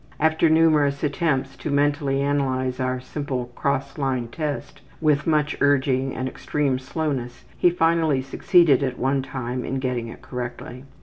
After numerous attempts to mentally analyze our simple ``Cross Line Test,'' with much urging and extreme slowness he finally succeeded at one time in getting it correctly.